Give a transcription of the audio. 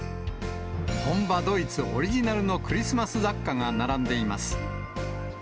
本場ドイツ、オリジナルのクリスマス雑貨が並んでいます。